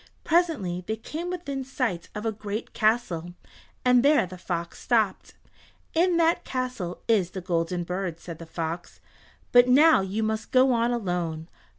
Presently they came within sight of a great castle, and there the fox stopped. "In that castle is the Golden Bird," said the fox, "but now you must go on alone.